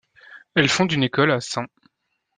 Elle fonde une école à St.